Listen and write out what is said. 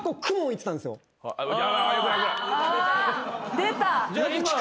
出た！